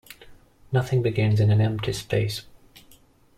Nothing begins in an empty space.